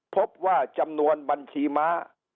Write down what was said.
พบว่าจำนวนบัญชีม้า